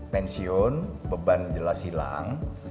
pensiun beban jelas hilang